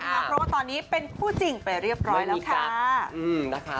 เพราะว่าตอนนี้เป็นคู่จริงไปเรียบร้อยแล้วค่ะ